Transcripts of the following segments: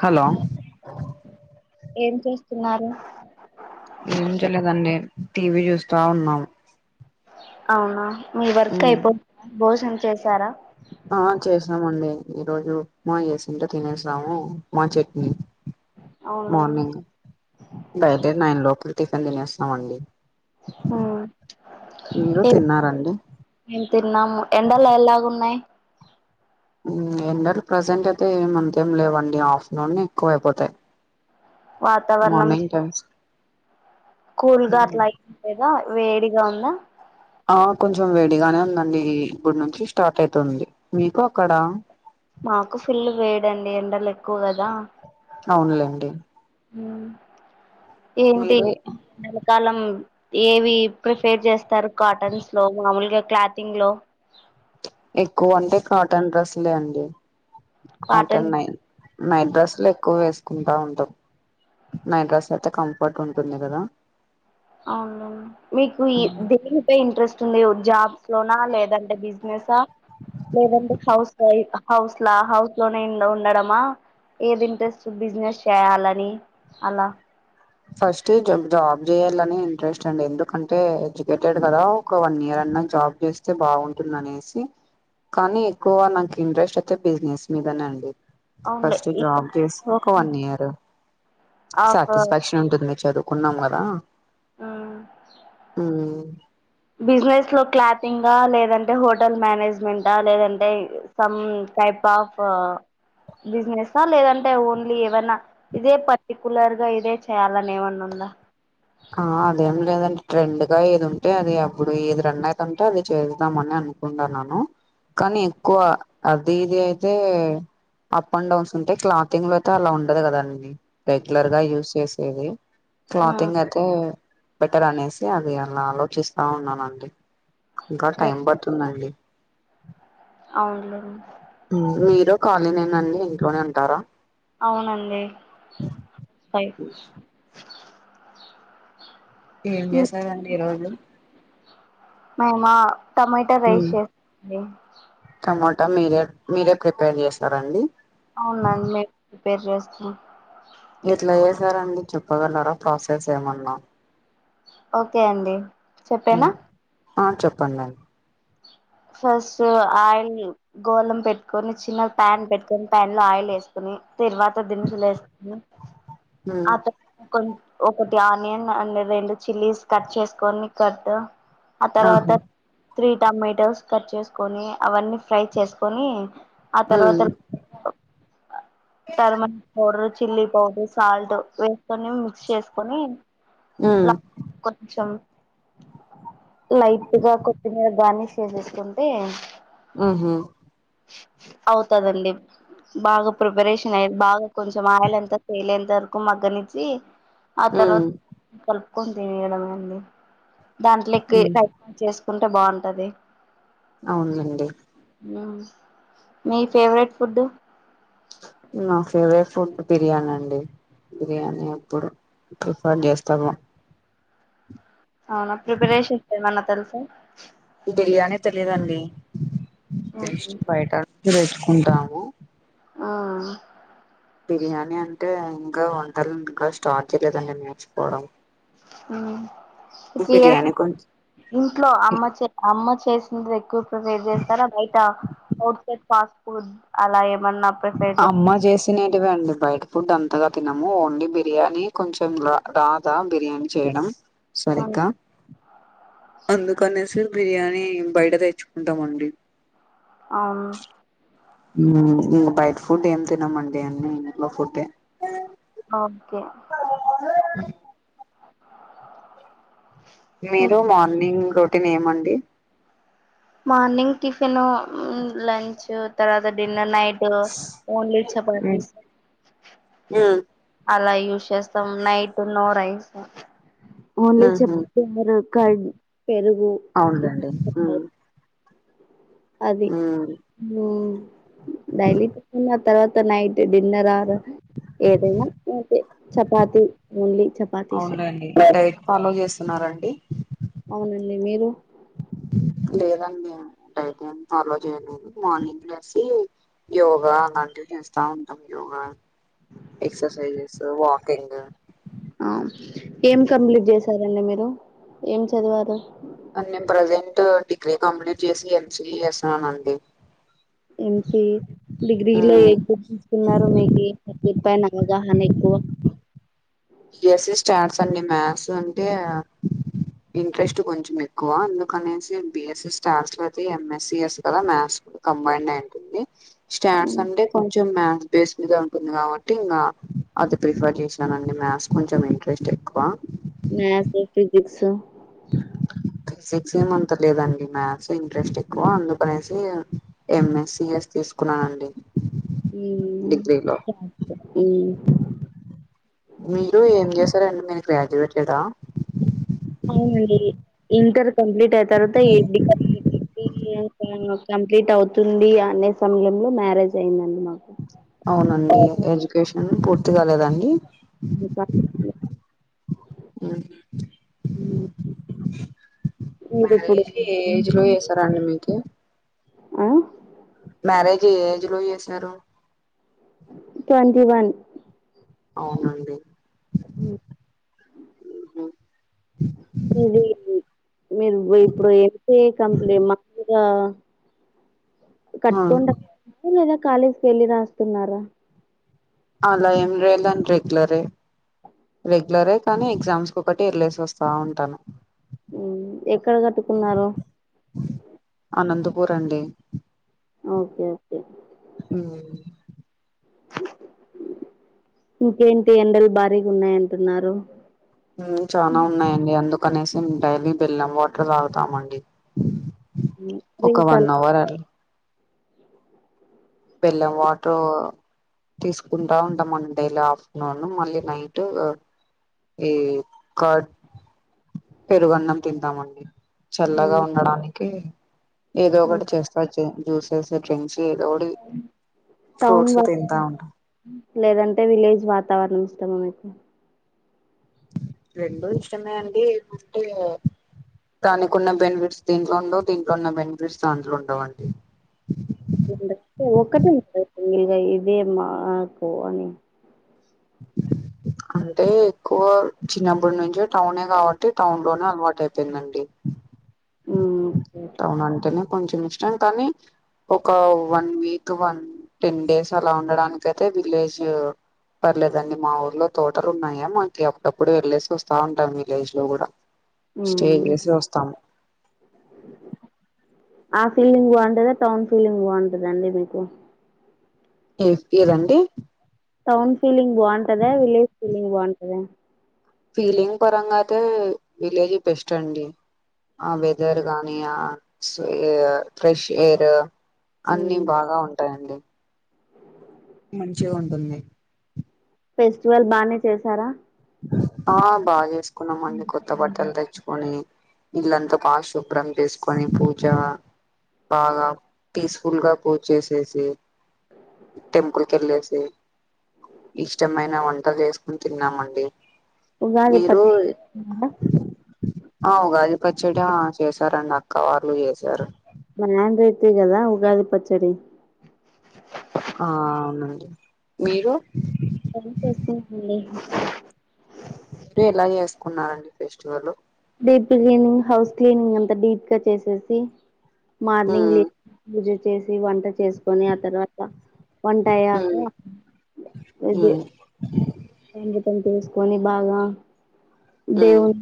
Hello ఏం చేస్తున్నారు ఏం చెలేదండి టీవీ చూస్తా ఉన్నాం అవునా మీ వర్క్ ఉమ్ అయిపో భోజం చేశారా ఆ చేసామండి ఈ రోజు ఉప్మా చేసింటో తినేసాము ఉప్మా చట్నీ అవునులేండి మార్నింగ్ బై డే నైన్ లోపే టిఫిన్ తినేస్తామండి మీరు తిన్నారండి మేం తిన్నాము ఎండలు ఎలాగ ఉన్నాయి ఎండలు ప్రజెంట్ అయితే ఏ అంతేం లేవండి ఆఫ్టనూన్ ఎక్కువ అయిపోతాయి వాతావరణం మార్నింగ్ టైమ్స్ కూల్గా అట్లా తెగ వేడిగా ఉందా ఆ కొంచెం వేడిగానే ఉందండి ఇప్పుడు నుంచి స్టార్ట్ అయితుంది మీకు అక్కడ మాకు ఫుల్ వేడండి ఎండలు ఎక్కువ కదా అవునులేండి ఉ ఏంటి మీరు ఎల్ల కాలం ఏవి ప్రిఫేర్ చేస్తారు కాటన్స్ లో మామూలుగా క్లాథింగ్ లో ఎక్కువ అంటే కాటన్ డ్రెస్లే అండి అంటే కాటన్ నై నైట్ డ్రెస్లు ఎక్కువ వేస్ కుంటఉంటాం నైడ్రస్ అయితే కంఫర్ట్ ఉంటుంది గదా అవునుండి మీకు ఈ దేనిపై ఇంట్రెస్ట్ ఉంది జాబ్ లోనా లేదంటే బిజినెస లేదంటే హౌస్ వై హౌస్ లా హౌస్ లోనే ఉండడమా ఏది ఇంట్రెస్ట్ బిజినెస్ చేయాలని అలా ఫస్ట్ జబ్ జాబ్ చేయాలని ఇంట్రెస్ట్ అండి ఎందుకంటే ఎడ్యుకేటెడ్ కదా ఒక వన్ ఇయర్ అన్నా జాబ్ చేస్తే బాగుంటుంద నేసి కానీ ఎక్కువ నాకు ఇంట్రెస్ట్ అయితే బిజినెస్ మీదనే అండి అవునులే ఫస్ట్ జాబ్ జేసి ఒక వన్ ఇయర్ ఆఫ్ సాటిస్ ఉంటుంది చదువుకున్నామా గదా ఉహు బిజినెస్ లో క్లాత్ టింగా లేదంటే హోటల్ మేనేజ్మెంట లేదంటే సమ్ టైప్ ఆఫ్ బిజినెస్ అ లేదంటే ఓన్లీ ఏవన్నా ఇదే పర్టికులర్ గా ఇదే చేయాలని ఏమన్నా ఉందా ఆ అదేం లేదండి ట్రెండ్గా ఏది ఉంటే అది అప్పుడు ఏది రన్ అయితు ఉంటే అది చేద్దామ అని అనుకుంటాన్నాను కానీ ఎక్కువ అది ఇది అయితే అప్ అండ్ డౌన్స్ ఉంటే క్లాతింగ్ లో అయితే అలా ఉండదు గదండి రెగ్యులర్ గా యూజ్ చేసేది ఆ క్లాతింగ్ అ బెటర్ అనేసి అది అలా ఆలోచిస్తా ఉన్నానండి ఇంకా టైం పడుతుందండి ఆన్లైన్ మీరు కాలినేన అండి? ఇంట్లోనే ఉంటారా? అవునండి. ఫై ఏం చేసారండి ఈ రోజు? అవునా టమాటా రైస్ చేసానండి. ట మీరె మీరె ప్రిపేర్ చేసారా అండి? అవునండి. ప్రిపేర్ చేస్తా. ఎట్లా చేసారండి? చెప్పగలరా ప్రాసెస్ ఏమన్నా? ఓకె అండి. చెప్పేనా? ఉమ్ ఆ చెప్పండండి. ఫస్ట్ ఆయిల్ గోలం పెట్టుకొని, చిన్న ప్యాన్ పెట్టుకొని, ప్యాన్ లో ఆయిల్ ఏసుకొని, తిరువాత దినుసులు ఏసుకొని ఉమ్ ఆత కొన్ ఒకటి ఆనియన్ అండ్ రెండు చిల్లీస్ కట్ చేసుకొని కట్ ఆ తర్వాత, ఆహా త్రీ టమాటోస్ కట్ చేసుకొని అవన్నీ ఫ్రై చేసుకొని, ఆ తర్వాత ఉమ్ [unintelligible] తర్మన్ పొడరు చిల్లీ పౌడర్, సాల్ట్ వేసుకొని, మిక్స్ చేసుకొని ఉమ్ లక్ కొంచెం లైట్గా కొద్దిగా గార్నిష్ చేసేస్ కుంటే, మ్ హు అవుతదండి. బాగా ప్రిపరేషన్ అయి బాగా కొంచం ఆయిల్ అంతా తేలె అంతవరకు మగ్గనిచ్చి, ఆ తర్వాత్ ఉమ్ కల్ప్ కొన్ తినేయడమే అండి. దాంట్లెక్కి ఉమ్ రైతాని చేస్ కుంటే బాంటది. అవునండి. మీ ఫేవరెట్ ఫుడ్డు? నా ఫేవరె ఫుడ్ బిర్యానండి. బిర్యానీ ఎప్పుడు, ప్రిఫర్ చేస్తాము. అవునా, ప్రిపరేషన్ ఏమన్న తెల్సా? ఈ బిర్యానీ తెలీదండి. జస్ట్ బయట చేసుకుంటాము. ఆ బిర్యానీ అంటే? ఇంకా వంటలు ఇంకా స్టార్ట్ చేయలేదండి నేర్చుకోవడం. హ్ బిర్యానీ కొంచెం ఇంట్లో అమ్మ చే అమ్మ చెస్ తొందర ఎక్కు వెయిట్ చేస్తారా బయట ఔట్ సైడ్ ప అలాగే [unintelligible] ఫుడ్ అంతగా తినము ఓన్లీ బిర్యానీ కొంచం రా రాదా బిర్యానీ చేయడం. అవును సరిగ్గా అందుకనేసి బిర్యానీ బయట తెచ్చుకుంటామండి. అవును బయట ఫుడ్ ఏం తినమండి అన్నీ ఇంట్లో ఫుడ్డే ఓకే మీరు మార్నింగ్ నేమండి మార్నింగ్ టిఫిన్ లంచ్ తర్వాత డిన్నర్ నైట్ అ ఓన్లే ఉమ్ చపాటీస్ ఉమ్ అలా యూస్ చేస్తాం నైట్ ఉ నో రైస్ ఓన్లీ ఉహు చెప్ప క పెరుగు అవునులేండి ఉమ్ అది ఉమ్ డైలీ పె తర్వాత త్త నైట్ డిన్నర్ ఆర్ ఏదైనా అతే చపాతి ఓన్లీ చపాతీసే అవునండి డైట్ ఫాలో చేస్త వస్తున్నండి అవునండి మీరు లేదండిైతే ఫాలో చేయలేదు మార్నింగ్ వసి యోగా అలాంటివి చేస్తా ఉంటాం యోగా ఎక్సర్సైజెస్ వాక్ కేంగా ఆ ఏం కంప్లీట్ చేసారంండి మీరు ఏం చదివారు నేను ప్రజెంట్ డిగ్రీ కంప్లీట్ చేసి ఎంసిఈ చేస్తున్నానండి ఎం సి డిగ్రీలో మ్మ్ ఏం గ్రూప్ తీసుకున్నారు మీది సబ్జెక్ట్ ఫైన్ అవగాహన ఎక్కువ బీఎస్సీ స్టేట్స్ అండి మ్యాథ్స్ అంటే ఆ ఇంట్రెస్ట్ కొంచెం ఎక్కువ ఎందుకనేసి బిఎస్స స్టేట్స్ లో అయితే ఎంఎస్సిఎస్ కదా మ్యాథ్స్ కంబైన్డ్ అయి ఉంటుంది స్టేట్స్ అంటే కొంచెం మ్యాథ్స్ బేస్ మీద ఉంటుంది కాబట్టి ఇంకా అది ప్రిఫర్ చేసినానండి మథ్స్ కొంచెం ఇంట్రెస్ట్ ఎక్కువ మ్యాథ్స్ ఫిజిక్స్ సిక్స్ ఏమంతా లేదండి మ్యాథ్స్ ఇంట్రెస్ట్ ఎక్కువ అందుకనేసి ఎం ఎమ్మెస్సీ తీసుకున్నానండి డిగ్రీలో ఇ మీరు ఏం చేస్ ఇస్తారండి మీరు గ్రాజువేటేడా అవునండి ఇంటర్ కంప్లీట్ అయితు తర్వాత ఏ డిగ్రీ ఏ డిగ్రీ ఇయర్ [inaudible] కంప్లీట్ అవుతుంది అనే సమయంలో మ్యారేజ్ అయిందండి మాకు అవునండి ఎడ్యుకేషన్ పూర్తిగాలేదండి ఇంకా హా మ్మ్ మీరు ఇప్పుడు మ్యారేజ్ ఏ ఏజ్ లో చేసిరండి మీకి ఆ మ్యారేజ్ ఏ ఏజ్ లో చేశారు ట్వంటీ వన్ అవునండి అ మీరు గా ఆ కట్కుండా కాలేజీకి వెళ్ళి రాస్తున్నారా అలా ఏం రలండి రెగ్యులరే రెగ్యులరే కానీ ఎగ్జామ్స్ ఒకటి ఎర్లేసి వస్తా ఉంటాను ఎక్కడ కట్టుకున్నారు అనంతపూర్ అండి ఓకే ఓకే ఇమ్మ్ ఇంకేంటి ఎండలు భారీగా ఉన్నాయి అంటున్నారు చాలా ఉన్నాయండి అందుకు కానీసం డైలీ బెల్లం వాటర్ తాగుతామండి ఒక వన్ అవర్ అలా బెల్లం వాటర్ తీసుకుంటా ఉంటామండీ డేల ఆఫ్టర్నూన్ మళ్ళీ నైట్ ఈ కార్డ్ పెరుగన్నం తింటామండి చల్లగా హ్మ్. ఉండడానికి ఏదో హ్మ్. ఒకటి చేస్తా వచ్చేయండి జ్యూసెస్ డ్రింక్స్ ఏదో ఒకటి టౌన్ ఫ్రూట్స్ తింటా వాతావరణం ఉంటాం లేదంటే విలేజ్ వాతావరణం ఉత్తమంతే రెండడు ఇష్టమే అండింటే దానికి ఉన్న బెనిఫిట్స్ దీంట్లో ఉండవు దీంట్లో ఉన్న బెనిఫిట్స్ దాంట్లో ఉండవుండి ట ఒకటే ఇదే మాకో అని అంటే ఎక్కువ చిన్నప్పుడు నుంచే టౌనే కాబట్టి టౌన్ లోనే అలవాటు అయిపోయిందండి ఇమ్ టౌన్ అంటేనే కొంచెం ఇష్టం కానీ ఒక one week one ten days అలా ఉండడానిక అయితే విలేజ్ పర్లేదండి మా ఊర్లో తోటలు ఉన్నాయా మకి అప్పుడప్పుడు వెళ్లేేసి వస్తా ఉంటాం విలేజ్ లో కూడా స్టేజ్ హ్మ్. చేసి చొస్తాము ఆ ఫీలింగ్ బాగుంటదా టౌన్ ఫీలింగ్ బాగుంటదండి మీకు ఏ ఏదండీ టౌన్ ఫీలింగ్ బాగుంటదా విలేజ్ ఫీలింగ్ బాగుంటదా ఫీలింగ్ పరంగా అయితే విలేజ్ బెస్ట్ అండి ఆ వెదర్ గాని ఆ ఫ్రెష్ ఎయిర్ అన్ని బాగా ఉంటా అంతే అండి మంచిగా ఉంటుంది ఫెస్టివల్ బానే చేసారా ఆ బాగా తీసుకున్నామండి కొత్త బట్టలు తెచ్చుకొని ఇల్లంతా బా శుభ్రం చేసుకోని పూజ బాగా పీస్ఫుల్ గా పూజ చేసేసి టెంపుల్ కి వెళ్ళేసి ఇష్టమైన వంట చేసుకుని తిన్నామండి ఉగాది మీరు పచ్చడి ఆ గాజుపచ్చడి చేసారండి అక్క వాళ్ళు చేసారు న్యాన్ రైతి కదా ఉగాది పచ్చడి ఆ అవునండి మీరు ఏం చేస్తున్నారండి ఎలా చేసుకున్నారండి festival deep cleaning house cleaning అంతా డీప్ గా చేసేసి మార్నింగ్ ఉమ్ లే చేసి వంట చేసుకొని ఆ తర్వాత వంట ఉమ్ అయ్యాక ఉమ్ కొని బాగా ఉమ్ దేవును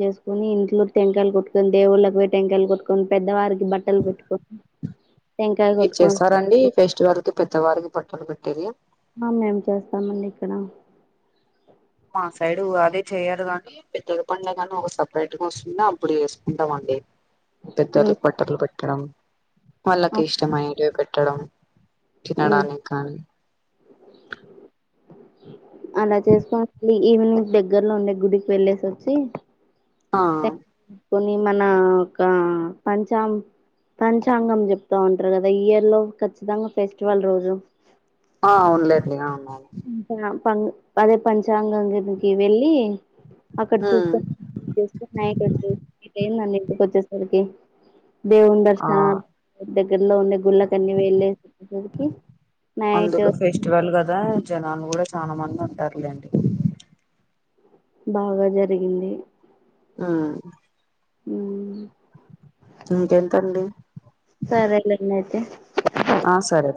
చేసుకొని ఇంట్లో టెంకాయలు కొట్టుకొని దేవుళ్ళకి పోయి టెంకాయలు కొట్టుకొని పెద్దవారికి బట్టలు పెట్టుకొని టెంకాయ మీరు కొట్టుకొని చేస్తారండి ఫెస్టివల్ పెద్దవారికి త పెట్టేది మేము చేస్తాంమండి ఇక్కడ మా సైడు అదే చేయరు కానీ పెద్దల పండగ అని ఒక సపరేట్ గా వస్తుంది అప్పుడు వేసుకుంటాం అండి. ఉమ్ పెద్దలకు బట్టలు పెట్టడం వాళ్ళకి ఇష్టమ పేట్టడం ఉమ్ తినడానికి కానీ [inaudible] అలా చేసుకోవాలి. ఈవినింగ్ దగ్గర్లో ఉండే గుడికి వెళ్ళేసి వచ్చి ఆ కొని మన ఒక పంచా పంచాంగం చెప్తా ఉంటారు కదా ఇయర్ లో ఖచ్చితంగా ఫెస్టివల్ రోజు ఆ అవునులేండి అవునవును అకా [inaudible] పం అదే పంచాంగనికి వెళ్ళి అక్కడ ఉమ్ చూసుకొని నైట్ వచ్చేసరికి దేవుని ఆ దర్శన దగ్గరలో ఉండే గుళ్ళకన్ని వెళ్ళేసరికి నైట్ అందులో ఫెస్టివల్ కదా జనాలు కూడా చాలా మంది ఉంటారులేండి బాగా జరిగింది. ఉమ్ ఉ ఇంకెంతండి ఓకే ఆ సరే